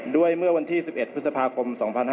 ด้วยเมื่อวันที่๑๑พฤษภาคม๒๕๖๓